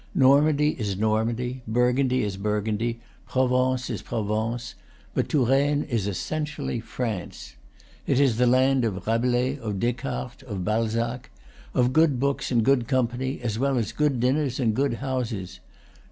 Normandy is Normandy, Burgundy is Burgundy, Provence is Pro vence; but Touraine is essentially France. It is the land of Rabelais, of Descartes, of Balzac, of good books and good company, as well as good dinners and good houses.